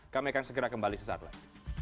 kami akan segera kembali sesaat lagi